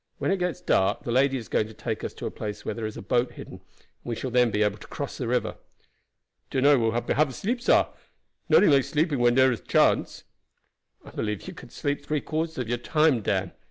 When it gets dark the lady is going to take us to a place where there is a boat hidden, and we shall then be able to cross the river." "Den I will hab a sleep, sah. Noting like sleeping when there is a chance." "I believe you could sleep three quarters of your time, Dan.